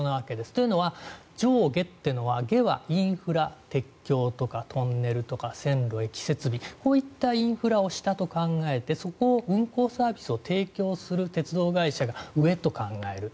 というのは、上下というのは下はインフラ、鉄橋とかトンネルとか線路、駅設備こういったインフラを下と考えてそこを運行サービスを提供する鉄道会社が上と考える。